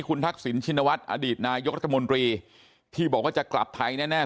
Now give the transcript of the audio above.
คุณทักษิณชินวัฒน์อดีตนายกรัฐมนตรีที่บอกว่าจะกลับไทยแน่